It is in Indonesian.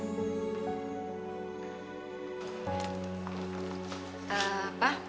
siapa sebenernya papa haku